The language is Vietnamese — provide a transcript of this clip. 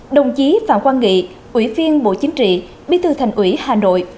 đồng chí phạm quang nghị ủy viên bộ chính trị bí thư thành ủy hà nội